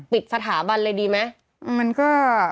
ปิดสถาบันเลยดีมันก็